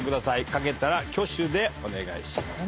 書けたら挙手でお願いします。